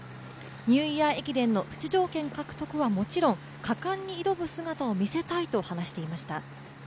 ニューイヤー駅伝の出場権獲得はもちろん果敢に挑む姿を見せたいと話していました。